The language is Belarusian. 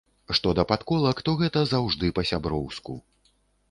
Што да падколак, то гэта заўжды па-сяброўску.